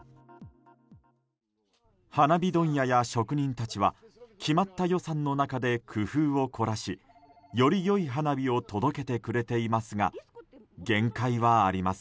花火問屋や職人たちは決まった予算の中で工夫を凝らしより良い花火を届けてくれていますが限界はあります。